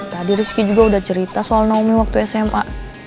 tadi rizky juga udah cerita soal naomi waktu sma